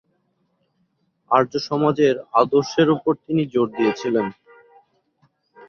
আর্য সমাজের আদর্শের উপর তিনি জোর দিয়েছিলেন।